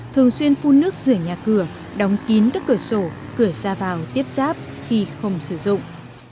thường xuyên phun nước rửa nhà cửa đóng kín các cửa sổ cửa ra vào tiếp ráp khi không sử dụng